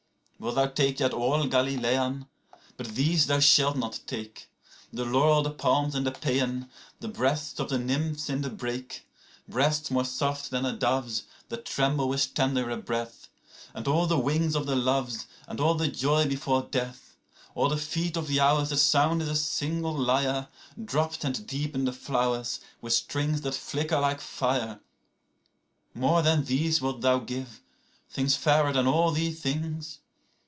23Wilt thou yet take all, Galilean? but these thou shalt not take,24The laurel, the palms and the pæan, the breasts of the nymphs in the brake;25Breasts more soft than a dove's, that tremble with tenderer breath;26And all the wings of the Loves, and all the joy before death;27All the feet of the hours that sound as a single lyre,28Dropped and deep in the flowers, with strings that flicker like fire.29More than these wilt thou give, things fairer than all these things?